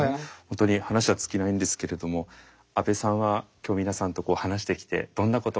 本当に話は尽きないんですけれども阿部さんは今日皆さんと話してきてどんなことを感じましたか？